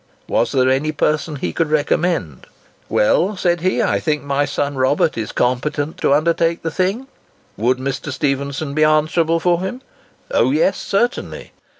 Was there any person he could recommend? "Well," said he, "I think my son Robert is competent to undertake the thing." Would Mr. Stephenson be answerable for him? "Oh, yes, certainly."